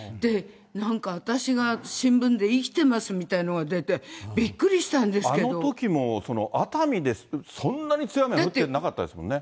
なんか私が新聞で生きてますみたいなのが出て、びっくりしたんであのときも、熱海でそんなに強い雨は降ってなかったですもんね。